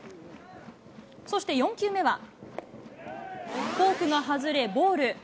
そして４球目は、フォークが外れ、ボール。